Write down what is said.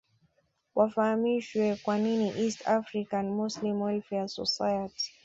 wafahamishwe kwa nini East African Muslim Welfare Society